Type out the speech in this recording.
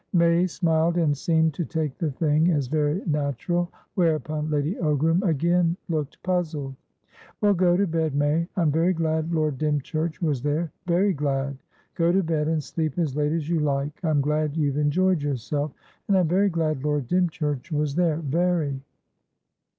May smiled, and seemed to take the thing as very natural; whereupon Lady Ogram again looked puzzled. "Well, go to bed, May. I'm very glad Lord Dymchurch was there; very glad. Go to bed, and sleep as late as you like. I'm glad you've enjoyed yourself, and I'm very glad Lord Dymchurch was therevery."